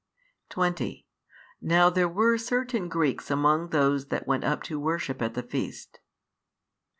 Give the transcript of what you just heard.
20 Now there were certain Greeks among those that went up to worship at the feast.